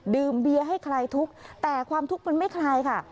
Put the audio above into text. ดื่มเบียร์ให้คลายทุกข์แต่ความทุกข์มันไม่คลายค่ะ